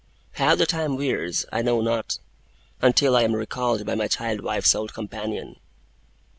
How the time wears, I know not; until I am recalled by my child wife's old companion.